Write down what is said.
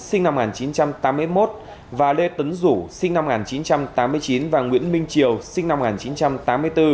sinh năm một nghìn chín trăm tám mươi một và lê tấn rủ sinh năm một nghìn chín trăm tám mươi chín và nguyễn minh triều sinh năm một nghìn chín trăm tám mươi bốn